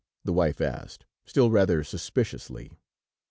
the wife asked, still rather suspiciously.